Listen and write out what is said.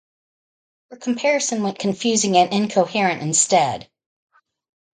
Her comparison went confusing and incoherent instead.